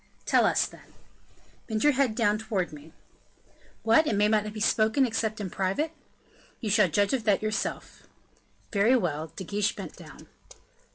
"Tell us, then." "Bend your head down towards me." "What! may it not be spoken except in private?" "You shall judge of that yourself." "Very well." De Guiche bent down.